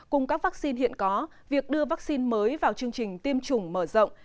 cùng các vaccine hiện có việc đưa vaccine mới vào chương trình tiêm chủng mở rộng